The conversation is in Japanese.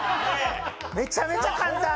めちゃめちゃ簡単。